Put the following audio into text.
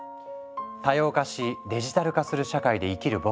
多様化しデジタル化する社会で生きる僕ら。